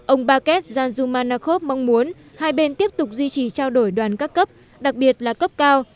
ông bakethan sumakhanov mong muốn hai bên tiếp tục duy trì trao đổi đoàn các cấp đặc biệt là cấp cao